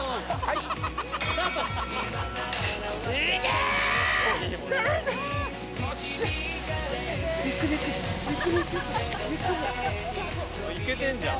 いけてるじゃん！